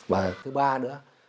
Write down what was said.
và thứ ba nữa